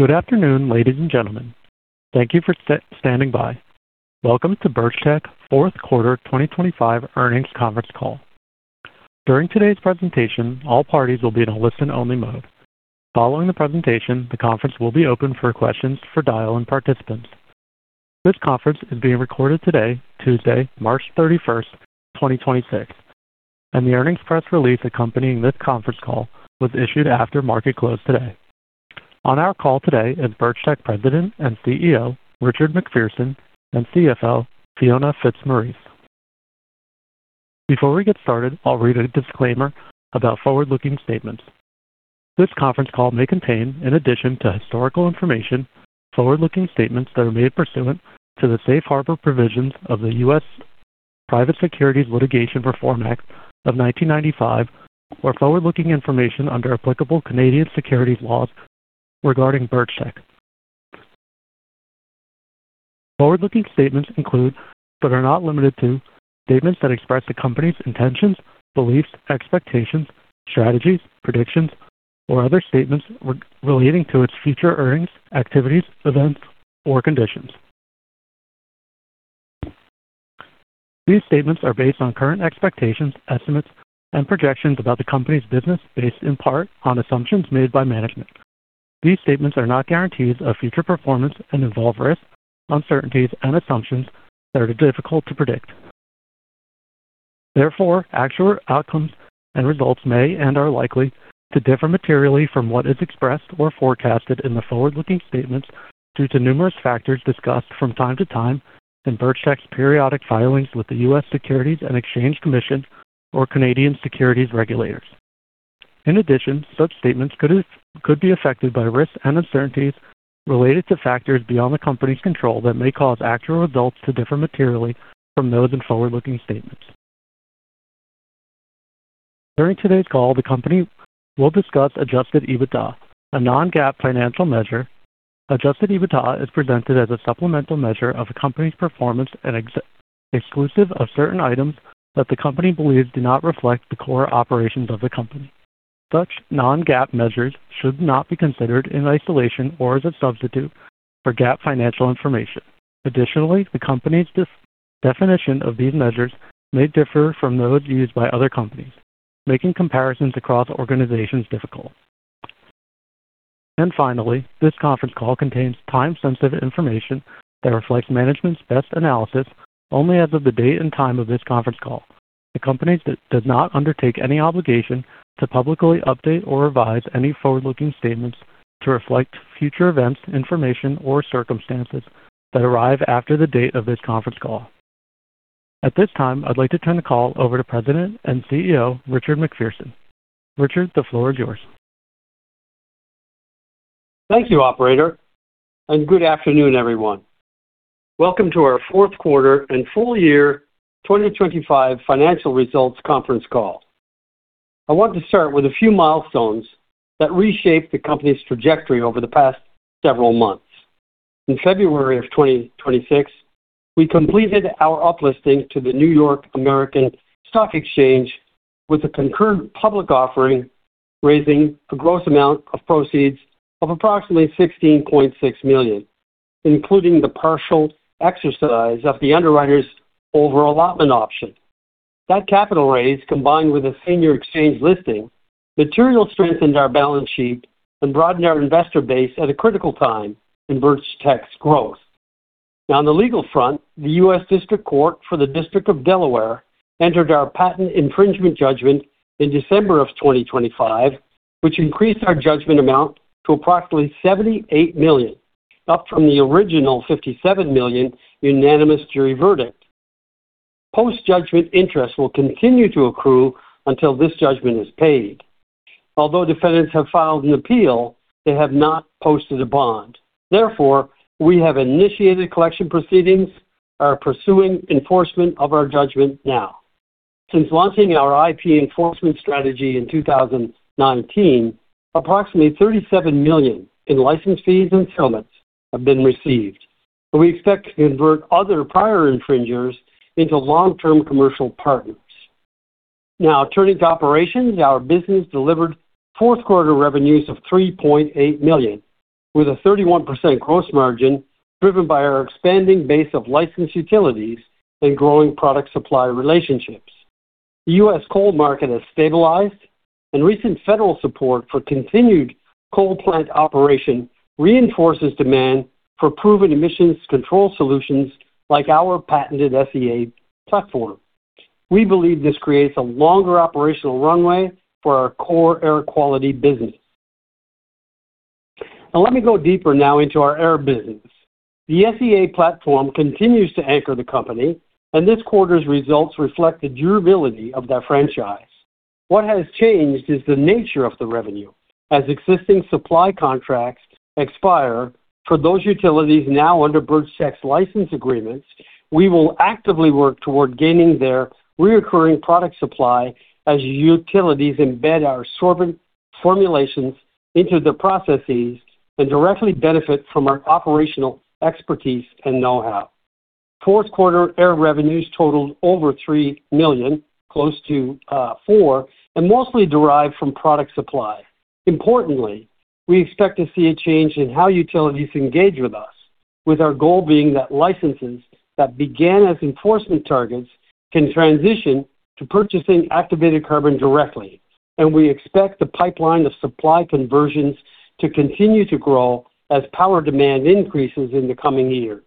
Good afternoon, ladies and gentlemen. Thank you for standing by. Welcome to Birchtech fourth quarter 2025 earnings conference call. During today's presentation, all parties will be in a listen-only mode. Following the presentation, the conference will be open for questions for dial-in participants. This conference is being recorded today, Tuesday, March 31, 2026, and the earnings press release accompanying this conference call was issued after market close today. On our call today is Birchtech President and CEO, Richard MacPherson, and CFO, Fiona Fitzmaurice. Before we get started, I'll read a disclaimer about forward-looking statements. This conference call may contain, in addition to historical information, forward-looking statements that are made pursuant to the safe harbor provisions of the U.S. Private Securities Litigation Reform Act of 1995 or forward-looking information under applicable Canadian securities laws regarding Birchtech. Forward-looking statements include, but are not limited to, statements that express the company's intentions, beliefs, expectations, strategies, predictions, or other statements relating to its future earnings, activities, events, or conditions. These statements are based on current expectations, estimates, and projections about the company's business, based in part on assumptions made by management. These statements are not guarantees of future performance and involve risks, uncertainties, and assumptions that are difficult to predict. Therefore, actual outcomes and results may and are likely to differ materially from what is expressed or forecasted in the forward-looking statements due to numerous factors discussed from time to time in Birchtech's periodic filings with the U.S. Securities and Exchange Commission or Canadian Securities Administrators. In addition, such statements could be affected by risks and uncertainties related to factors beyond the company's control that may cause actual results to differ materially from those in forward-looking statements. During today's call, the company will discuss adjusted EBITDA, a non-GAAP financial measure. Adjusted EBITDA is presented as a supplemental measure of a company's performance and exclusive of certain items that the company believes do not reflect the core operations of the company. Such non-GAAP measures should not be considered in isolation or as a substitute for GAAP financial information. Additionally, the company's definition of these measures may differ from those used by other companies, making comparisons across organizations difficult. Finally, this conference call contains time-sensitive information that reflects management's best analysis only as of the date and time of this conference call. The company does not undertake any obligation to publicly update or revise any forward-looking statements to reflect future events, information, or circumstances that arrive after the date of this conference call. At this time, I'd like to turn the call over to President and CEO, Richard MacPherson. Richard, the floor is yours. Thank you, operator, and good afternoon, everyone. Welcome to our fourth quarter and full year 2025 financial results conference call. I want to start with a few milestones that reshaped the company's trajectory over the past several months. In February of 2026, we completed our uplisting to the NYSE American with a concurrent public offering, raising a gross amount of proceeds of approximately $16.6 million, including the partial exercise of the underwriter's over-allotment option. That capital raise, combined with a senior exchange listing, materially strengthened our balance sheet and broadened our investor base at a critical time in Birchtech's growth. Now on the legal front, the U.S. District Court for the District of Delaware entered our patent infringement judgment in December of 2025, which increased our judgment amount to approximately $78 million, up from the original $57 million unanimous jury verdict. Post-judgment interest will continue to accrue until this judgment is paid. Although defendants have filed an appeal, they have not posted a bond. Therefore, we have initiated collection proceedings, are pursuing enforcement of our judgment now. Since launching our IP enforcement strategy in 2019, approximately $37 million in license fees and settlements have been received, and we expect to convert other prior infringers into long-term commercial partners. Now turning to operations. Our business delivered fourth quarter revenues of $3.8 million, with a 31% gross margin driven by our expanding base of licensed utilities and growing product supply relationships. The U.S. coal market has stabilized and recent federal support for continued coal plant operation reinforces demand for proven emissions control solutions like our patented SEA platform. We believe this creates a longer operational runway for our core air quality business. Now let me go deeper now into our air business. The SEA platform continues to anchor the company, and this quarter's results reflect the durability of that franchise. What has changed is the nature of the revenue. As existing supply contracts expire for those utilities now under Birchtech's license agreements, we will actively work toward gaining their recurring product supply as utilities embed our sorbent formulations into the processes and directly benefit from our operational expertise and know-how. Fourth quarter air revenues totaled over $3 million, close to $4 million, and mostly derived from product supply. Importantly, we expect to see a change in how utilities engage with us, with our goal being that licenses that began as enforcement targets can transition to purchasing activated carbon directly. We expect the pipeline of supply conversions to continue to grow as power demand increases in the coming years.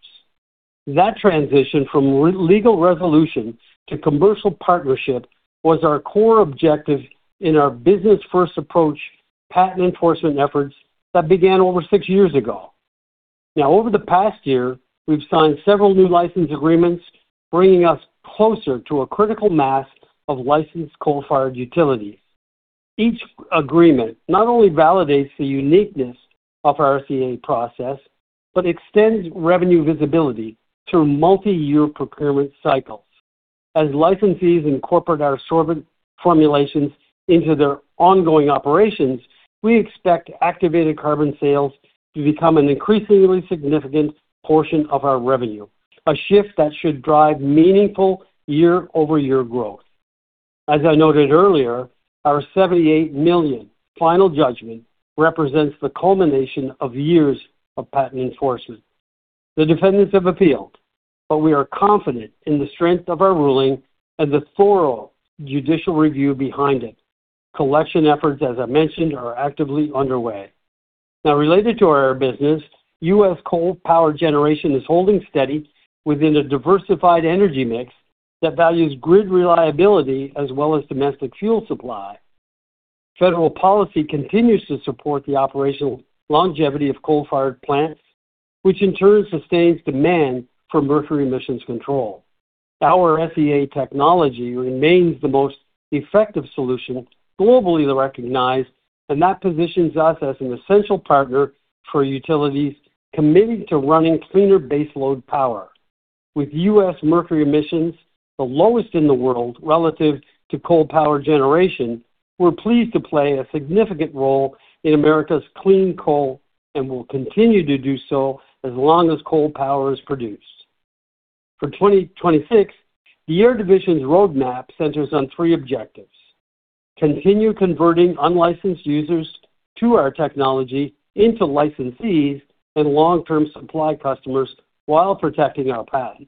That transition from legal resolution to commercial partnership was our core objective in our business-first approach patent enforcement efforts that began over six years ago. Now, over the past year, we've signed several new license agreements, bringing us closer to a critical mass of licensed coal-fired utilities. Each agreement not only validates the uniqueness of our SEA process but extends revenue visibility through multi-year procurement cycles. As licensees incorporate our sorbent formulations into their ongoing operations, we expect activated carbon sales to become an increasingly significant portion of our revenue, a shift that should drive meaningful year-over-year growth. As I noted earlier, our $78 million final judgment represents the culmination of years of patent enforcement. The defendants have appealed, but we are confident in the strength of our ruling and the thorough judicial review behind it. Collection efforts, as I mentioned, are actively underway. Now, related to our business, U.S. coal power generation is holding steady within a diversified energy mix that values grid reliability as well as domestic fuel supply. Federal policy continues to support the operational longevity of coal-fired plants, which in turn sustains demand for mercury emissions control. Our SEA technology remains the most effective solution globally recognized, and that positions us as an essential partner for utilities committed to running cleaner baseload power. With U.S. mercury emissions the lowest in the world relative to coal power generation, we're pleased to play a significant role in America's clean coal and will continue to do so as long as coal power is produced. For 2026, the Air Division's roadmap centers on three objectives. Continue converting unlicensed users to our technology into licensees and long-term supply customers while protecting our patent.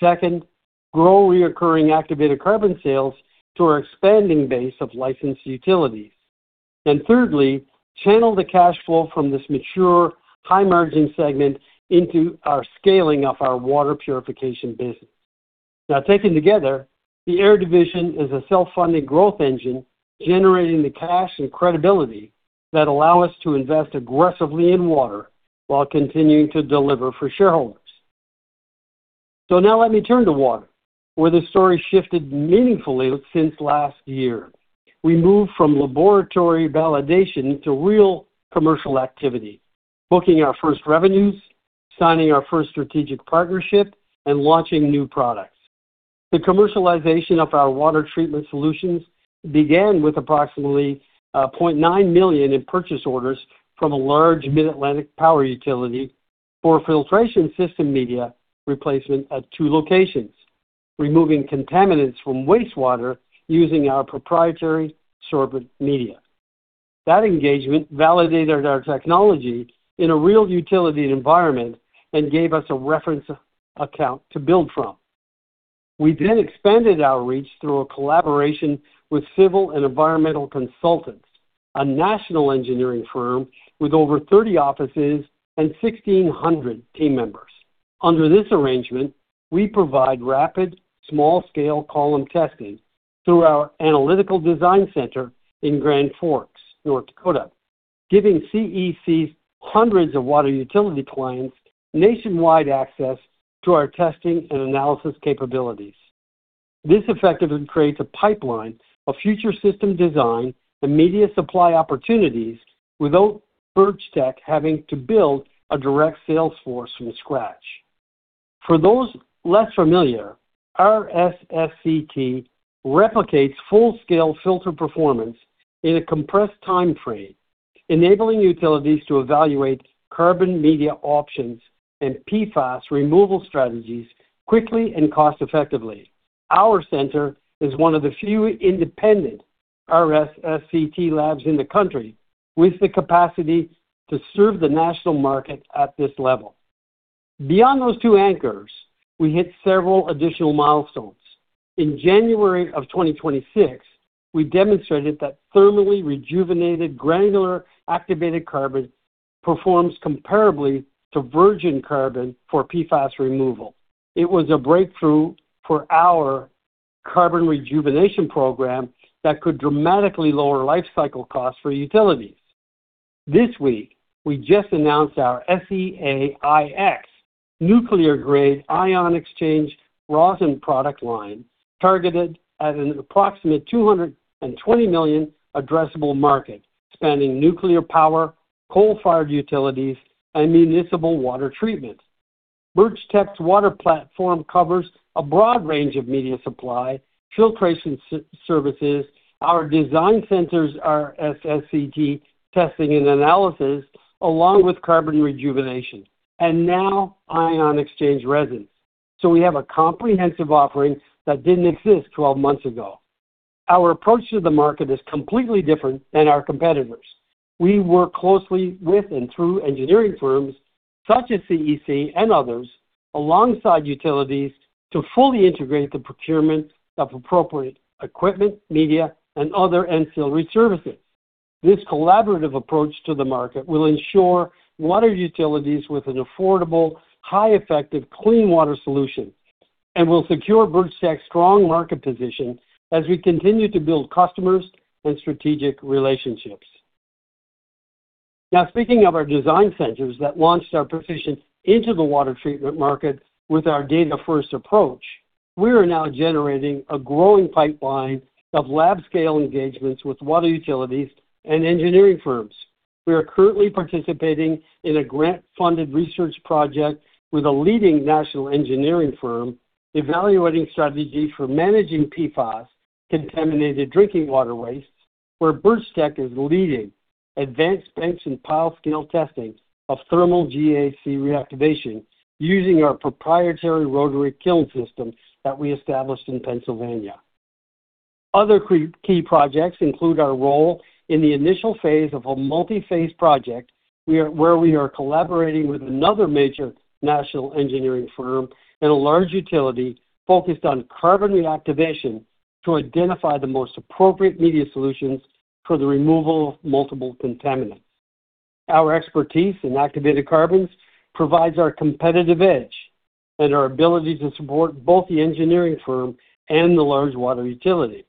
Second, grow reoccurring activated carbon sales to our expanding base of licensed utilities. Thirdly, channel the cash flow from this mature, high-margin segment into our scaling of our water purification business. Now, taken together, the Air Division is a self-funded growth engine generating the cash and credibility that allow us to invest aggressively in water while continuing to deliver for shareholders. Now let me turn to water, where the story shifted meaningfully since last year. We moved from laboratory validation to real commercial activity, booking our first revenues, signing our first strategic partnership, and launching new products. The commercialization of our water treatment solutions began with approximately $0.9 million in purchase orders from a large Mid-Atlantic power utility for filtration system media replacement at two locations, removing contaminants from wastewater using our proprietary sorbent media. That engagement validated our technology in a real utility environment and gave us a reference account to build from. We expanded our reach through a collaboration with Civil & Environmental Consultants, a national engineering firm with over 30 offices and 1,600 team members. Under this arrangement, we provide rapid small-scale column testing through our analytical design center in Grand Forks, North Dakota, giving CEC's hundreds of water utility clients nationwide access to our testing and analysis capabilities. This effectively creates a pipeline of future system design and media supply opportunities without Birchtech having to build a direct sales force from scratch. For those less familiar, our RSSCT replicates full-scale filter performance in a compressed time frame, enabling utilities to evaluate carbon media options and PFAS removal strategies quickly and cost-effectively. Our center is one of the few independent RSSCT labs in the country with the capacity to serve the national market at this level. Beyond those two anchors, we hit several additional milestones. In January of 2026, we demonstrated that thermally rejuvenated granular activated carbon performs comparably to virgin carbon for PFAS removal. It was a breakthrough for our carbon rejuvenation program that could dramatically lower lifecycle costs for utilities. This week, we just announced our SEA-IX Nuclear-grade ion exchange resin product line targeted at an approximate $220 million addressable market, spanning nuclear power, coal-fired utilities, and municipal water treatment. Birchtech's water platform covers a broad range of media supply, filtration services, our design centers, our RSSCT testing and analysis. Along with carbon rejuvenation and now ion exchange resin. We have a comprehensive offering that didn't exist twelve months ago. Our approach to the market is completely different than our competitors. We work closely with and through engineering firms such as CEC and others, alongside utilities to fully integrate the procurement of appropriate equipment, media, and other ancillary services. This collaborative approach to the market will ensure water utilities have an affordable, highly effective clean water solution. Will secure Birchtech's strong market position as we continue to build customers and strategic relationships. Now, speaking of our design centers that launched our presence into the water treatment market with our data-first approach, we are now generating a growing pipeline of lab-scale engagements with water utilities and engineering firms. We are currently participating in a grant-funded research project with a leading national engineering firm, evaluating strategies for managing PFAS contaminated drinking water waste, where Birchtech is leading advanced bench and pilot scale testing of thermal GAC reactivation using our proprietary rotary kiln system that we established in Pennsylvania. Other key projects include our role in the initial phase of a multi-phase project, where we are collaborating with another major national engineering firm and a large utility focused on carbon reactivation to identify the most appropriate media solutions for the removal of multiple contaminants. Our expertise in activated carbons provides our competitive edge and our ability to support both the engineering firm and the large water utility.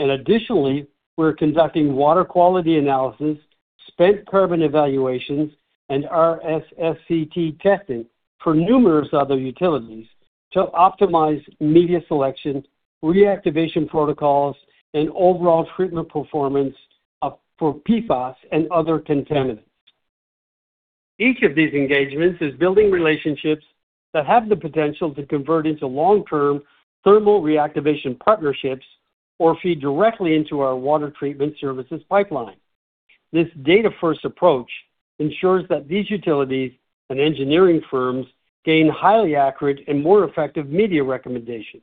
Additionally, we're conducting water quality analysis, spent carbon evaluations, and RSSCT testing for numerous other utilities to optimize media selection, reactivation protocols, and overall treatment performance for PFAS and other contaminants. Each of these engagements is building relationships that have the potential to convert into long-term thermal reactivation partnerships or feed directly into our water treatment services pipeline. This data-first approach ensures that these utilities and engineering firms gain highly accurate and more effective media recommendations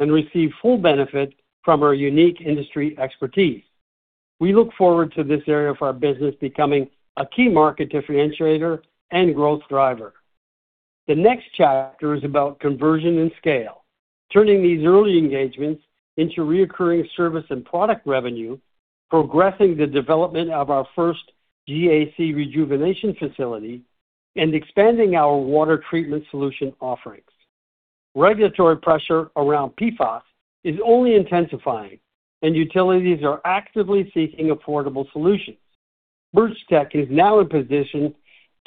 and receive full benefit from our unique industry expertise. We look forward to this area of our business becoming a key market differentiator and growth driver. The next chapter is about conversion and scale, turning these early engagements into recurring service and product revenue, progressing the development of our first GAC rejuvenation facility, and expanding our water treatment solution offerings. Regulatory pressure around PFAS is only intensifying, and utilities are actively seeking affordable solutions. Birchtech is now in position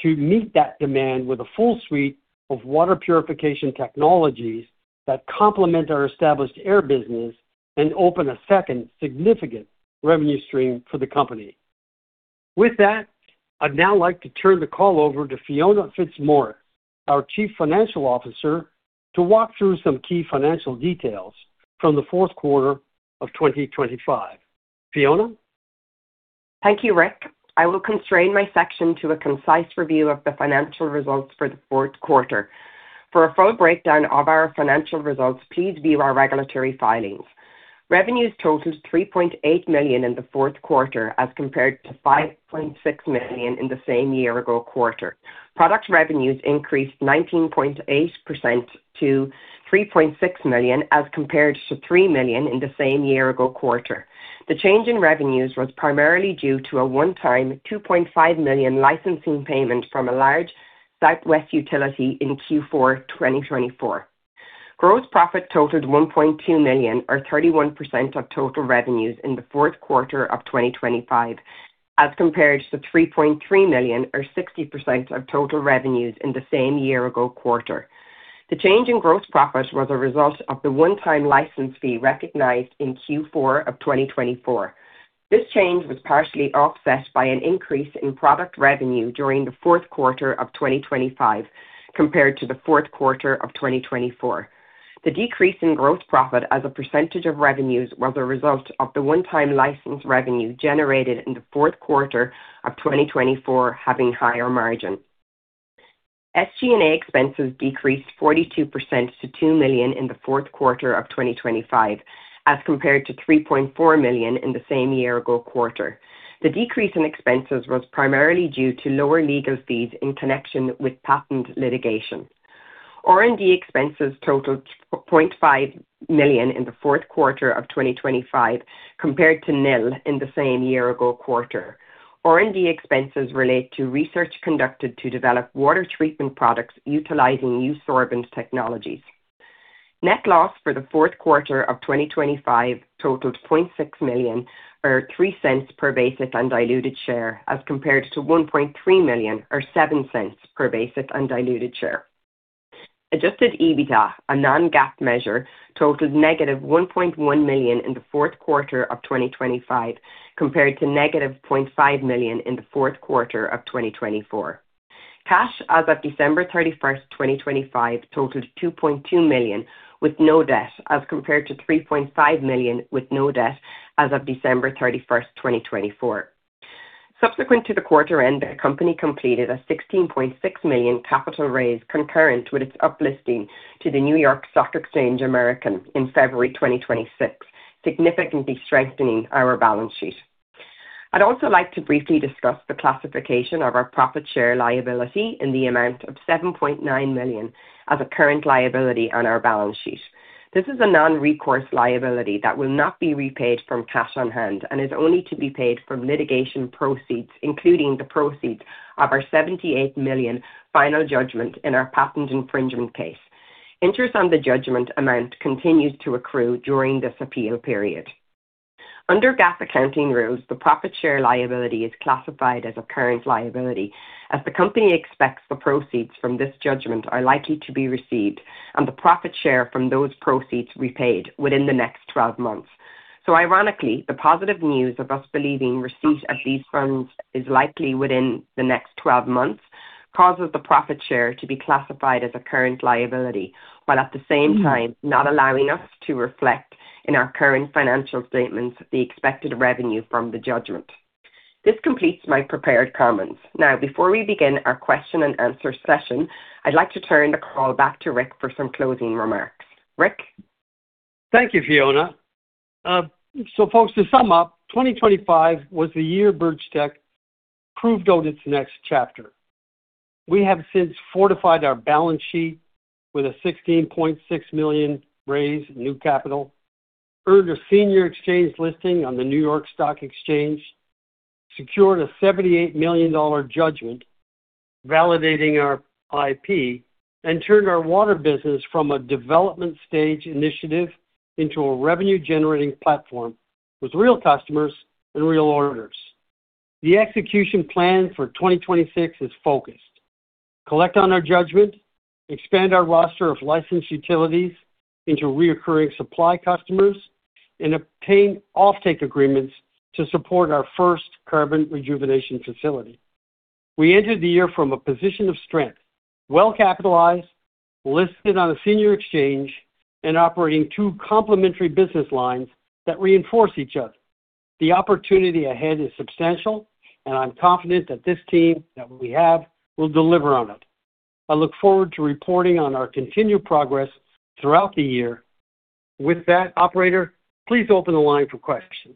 to meet that demand with a full suite of water purification technologies that complement our established air business and open a second significant revenue stream for the company. With that, I'd now like to turn the call over to Fiona Fitzmaurice, our Chief Financial Officer, to walk through some key financial details from the fourth quarter of 2025. Fiona. Thank you, Rick. I will constrain my section to a concise review of the financial results for the fourth quarter. For a full breakdown of our financial results, please view our regulatory filings. Revenues totaled $3.8 million in the fourth quarter as compared to $5.6 million in the same year-ago quarter. Product revenues increased 19.8% to $3.6 million, as compared to $3 million in the same year-ago quarter. The change in revenues was primarily due to a one-time $2.5 million licensing payment from a large Southwest utility in Q4 2024. Gross profit totaled $1.2 million or 31% of total revenues in the fourth quarter of 2025, as compared to $3.3 million or 60% of total revenues in the same year-ago quarter. The change in gross profit was a result of the one-time license fee recognized in Q4 of 2024. This change was partially offset by an increase in product revenue during the fourth quarter of 2025 compared to the fourth quarter of 2024. The decrease in gross profit as a percentage of revenues was a result of the one-time license revenue generated in the fourth quarter of 2024 having higher margins. SG&A expenses decreased 42% to $2 million in the fourth quarter of 2025, as compared to $3.4 million in the same year-ago quarter. The decrease in expenses was primarily due to lower legal fees in connection with patent litigation. R&D expenses totaled $0.5 million in the fourth quarter of 2025 compared to nil in the same year-ago quarter. R&D expenses relate to research conducted to develop water treatment products utilizing new sorbent technologies. Net loss for the fourth quarter of 2025 totaled $0.6 million or $0.03 per basic and diluted share, as compared to $1.3 million or $0.07 per basic and diluted share. Adjusted EBITDA, a non-GAAP measure, totaled -$1.1 million in the fourth quarter of 2025 compared to -$0.5 million in the fourth quarter of 2024. Cash as of December 31, 2025 totaled $2.2 million with no debt as compared to $3.5 million with no debt as of December 31, 2024. Subsequent to the quarter end, the company completed a $16.6 million capital raise concurrent with its up listing to the NYSE American in February 2026, significantly strengthening our balance sheet. I'd also like to briefly discuss the classification of our profit share liability in the amount of $7.9 million as a current liability on our balance sheet. This is a non-recourse liability that will not be repaid from cash on hand and is only to be paid from litigation proceeds, including the proceeds of our $78 million final judgment in our patent infringement case. Interest on the judgment amount continues to accrue during this appeal period. Under GAAP accounting rules, the profit share liability is classified as a current liability as the company expects the proceeds from this judgment are likely to be received and the profit share from those proceeds repaid within the next 12 months. Ironically, the positive news of us believing receipt of these funds is likely within the next 12 months causes the profit share to be classified as a current liability, while at the same time not allowing us to reflect in our current financial statements the expected revenue from the judgment. This completes my prepared comments. Now, before we begin our question and answer session, I'd like to turn the call back to Rick for some closing remarks. Rick. Thank you, Fiona. Folks, to sum up, 2025 was the year Birchtech proved out its next chapter. We have since fortified our balance sheet with a $16.6 million raise in new capital, earned a senior exchange listing on the New York Stock Exchange, secured a $78 million judgment validating our IP, and turned our water business from a development stage initiative into a revenue-generating platform with real customers and real orders. The execution plan for 2026 is focused. Collect on our judgment, expand our roster of licensed utilities into recurring supply customers, and obtain offtake agreements to support our first carbon rejuvenation facility. We entered the year from a position of strength, well-capitalized, listed on a senior exchange and operating two complementary business lines that reinforce each other. The opportunity ahead is substantial and I'm confident that this team that we have will deliver on it. I look forward to reporting on our continued progress throughout the year. With that, operator, please open the line for questions.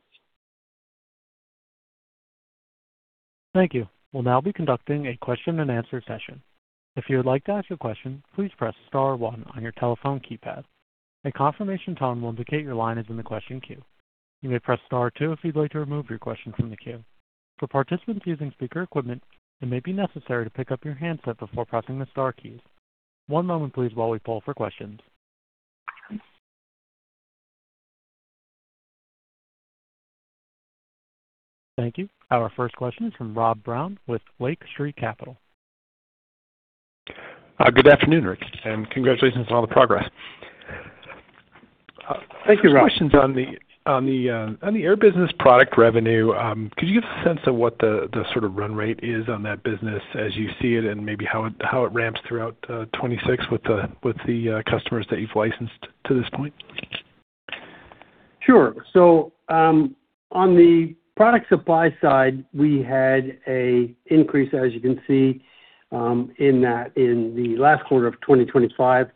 Our first question is from Rob Brown with Lake Street Capital Markets. Good afternoon, Rick, and congratulations on all the progress. Thank you, Rob. First question's on the air business product revenue. Could you give a sense of what the sort of run rate is on that business as you see it and maybe how it ramps throughout 2026 with the customers that you've licensed to this point? Sure. On the product supply side, we had an increase, as you can see, in the last quarter of 2025.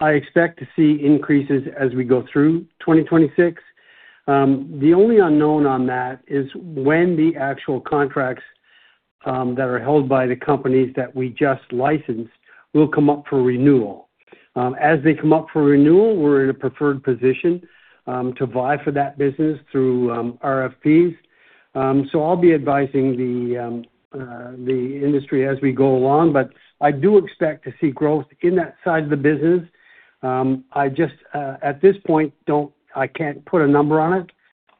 I expect to see increases as we go through 2026. The only unknown on that is when the actual contracts that are held by the companies that we just licensed will come up for renewal. As they come up for renewal, we're in a preferred position to vie for that business through RFPs. I'll be advising the industry as we go along, but I do expect to see growth in that side of the business. I just at this point can't put a number on it,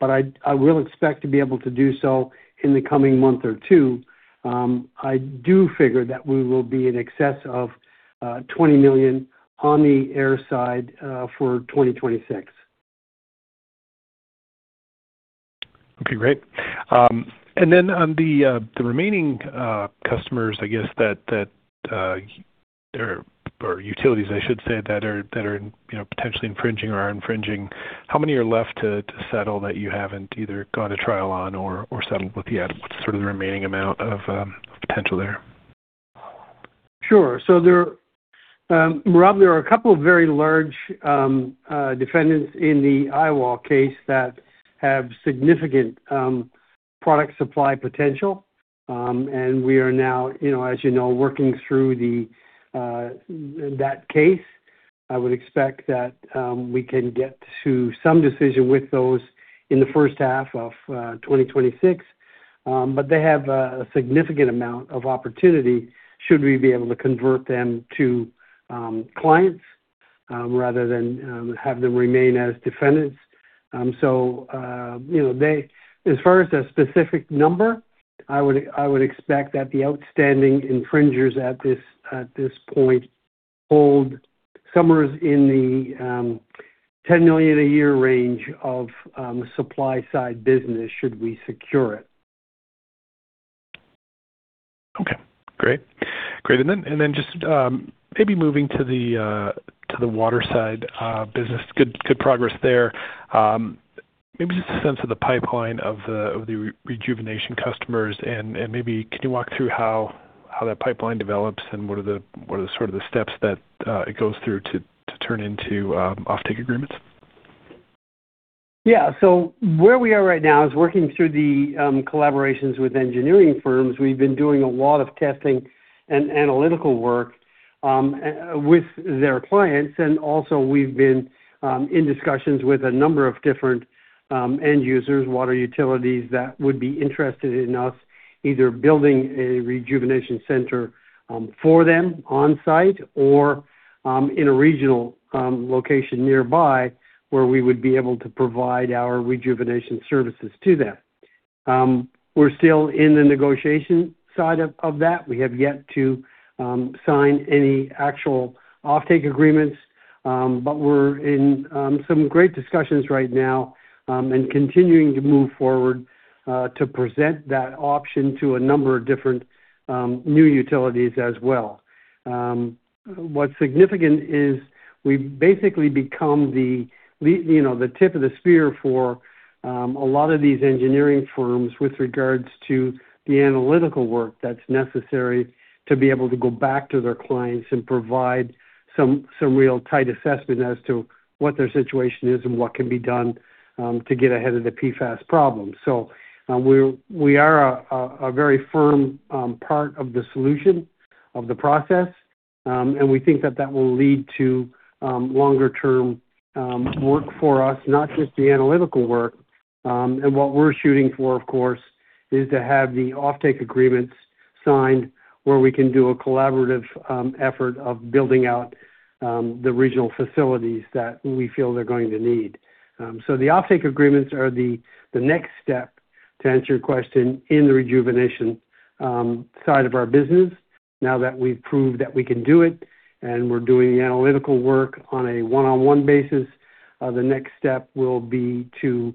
but I will expect to be able to do so in the coming month or two. I do figure that we will be in excess of $20 million on the air side for 2026. Okay, great. On the remaining customers, I guess that or utilities, I should say, that are you know potentially infringing or are infringing, how many are left to settle that you haven't either gone to trial on or settled with yet? What's sort of the remaining amount of potential there? Sure. There, Rob, there are a couple of very large defendants in the Iowa case that have significant product supply potential. We are now, you know, as you know, working through that case. I would expect that we can get to some decision with those in the first half of 2026. They have a significant amount of opportunity should we be able to convert them to clients rather than have them remain as defendants. You know, they, as far as a specific number, I would expect that the outstanding infringers at this point hold somewhere in the $10 million a year range of supply side business should we secure it. Okay, great. Just maybe moving to the water side business. Good progress there. Maybe just a sense of the pipeline of the rejuvenation customers and maybe can you walk through how that pipeline develops and what are the sort of steps that it goes through to turn into offtake agreements? Yeah. Where we are right now is working through the collaborations with engineering firms. We've been doing a lot of testing and analytical work and with their clients. We've been in discussions with a number of different end users, water utilities that would be interested in us either building a rejuvenation center for them on site or in a regional location nearby where we would be able to provide our rejuvenation services to them. We're still in the negotiation side of that. We have yet to sign any actual offtake agreements. We're in some great discussions right now and continuing to move forward to present that option to a number of different new utilities as well. What's significant is we've basically become the you know the tip of the spear for a lot of these engineering firms with regards to the analytical work that's necessary to be able to go back to their clients and provide some real tight assessment as to what their situation is and what can be done to get ahead of the PFAS problem. We're a very firm part of the solution of the process. We think that will lead to longer term work for us, not just the analytical work. What we're shooting for, of course, is to have the offtake agreements signed where we can do a collaborative effort of building out the regional facilities that we feel they're going to need. The offtake agreements are the next step, to answer your question, in the rejuvenation side of our business. Now that we've proved that we can do it and we're doing the analytical work on a one-on-one basis, the next step will be to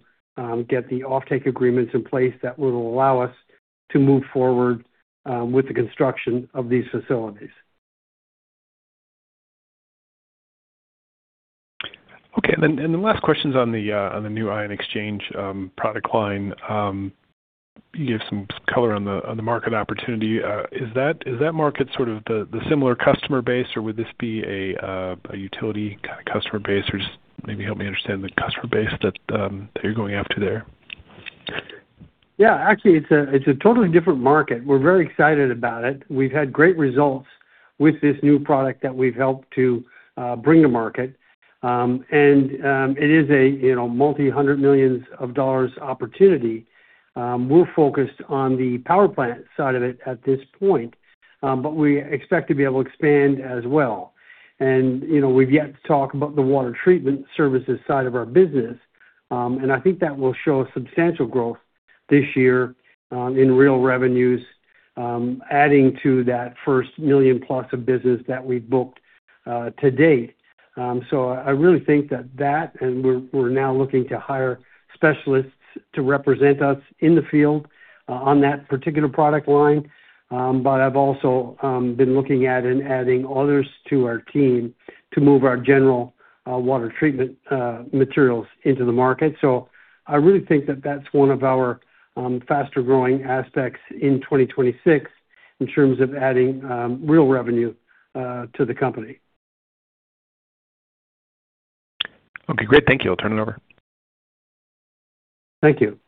get the offtake agreements in place that will allow us to move forward with the construction of these facilities. Okay. The last question's on the new ion exchange product line. You gave some color on the market opportunity. Is that market sort of the similar customer base or would this be a utility kinda customer base? Or just maybe help me understand the customer base that you're going after there. Yeah. Actually it's a totally different market. We're very excited about it. We've had great results with this new product that we've helped to bring to market. It is a, you know, multi-hundred million dollar opportunity. We're focused on the power plant side of it at this point. We expect to be able to expand as well. You know, we've yet to talk about the water treatment services side of our business. I think that will show substantial growth this year, in real revenues, adding to that first $1 million+ of business that we've booked to date. I really think that, and we're now looking to hire specialists to represent us in the field, on that particular product line. I've also been looking at and adding others to our team to move our general water treatment materials into the market. I really think that that's one of our faster growing aspects in 2026 in terms of adding real revenue to the company. Okay, great. Thank you. I'll turn it over. Thank you.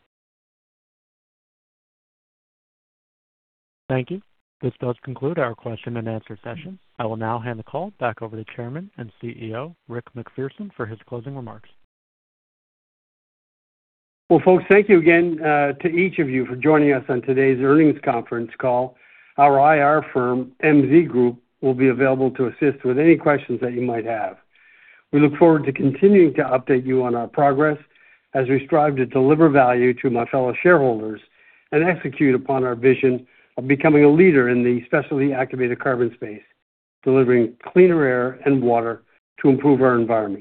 Thank you. This does conclude our question and answer session. I will now hand the call back over to Chairman and CEO, Rick MacPherson, for his closing remarks. Well, folks, thank you again to each of you for joining us on today's earnings conference call. Our IR firm, MZ Group, will be available to assist with any questions that you might have. We look forward to continuing to update you on our progress as we strive to deliver value to my fellow shareholders and execute upon our vision of becoming a leader in the specialty activated carbon space, delivering cleaner air and water to improve our environment.